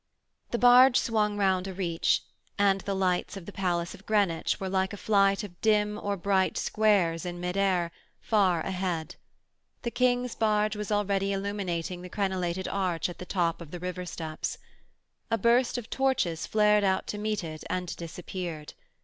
The barge swung round a reach, and the lights of the palace of Greenwich were like a flight of dim or bright squares in mid air, far ahead. The King's barge was already illuminating the crenellated arch at the top of the river steps. A burst of torches flared out to meet it and disappeared.